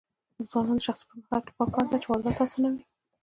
د ځوانانو د شخصي پرمختګ لپاره پکار ده چې واردات اسانوي.